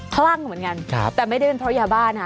คลั่งเหมือนกันแต่ไม่ได้เป็นเพราะยาบ้านะ